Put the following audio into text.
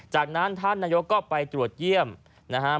จากนั้นท่านนายกก็ไปตรวจเยี่ยมนะครับ